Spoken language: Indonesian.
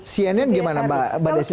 cnn bagaimana mbak desy dalam kavle situ